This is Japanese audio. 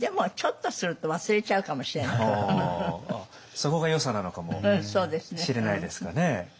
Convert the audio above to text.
そこがよさなのかもしれないですかね。